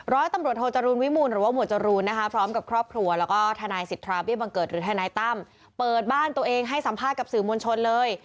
ร้อยตำรวจโทจรูลวิมูลหรือว่าหมวดจรูนนะคะพร้อมกับครอบครัวแล้วก็ทนายสิทธาเบี้บังเกิดหรือทนายตั้มเปิดบ้านตัวเองให้สัมภาษณ์กับสื่อมวลชนเลย